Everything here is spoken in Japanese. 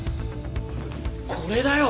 これだよ！